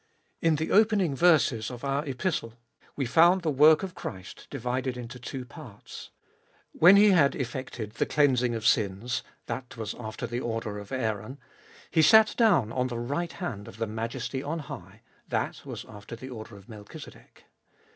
In the opening verses of our Epistle we found the work of Christ divided into two parts. When He had effected the cleansing of sins (that was after the order of Aaron), He sat down on the right hand of the Majesty on high (that was after the order of Melchizedek).